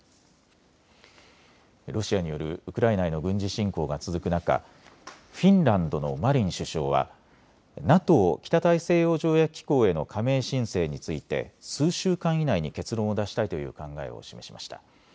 ロシアによるウクライナへの軍事侵攻が続く中、フィンランドのマリン首相はＮＡＴＯ・北大西洋条約機構への加盟申請について数週間以内に結論を出したいという考えを示しました。